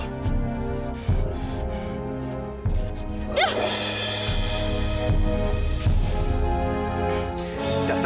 saya bisa bikin kamu menyingkir dari situ